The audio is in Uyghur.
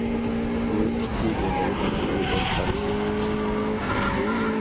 بۇ ئىككى دۆلەتنىڭ بىردەك قارىشى.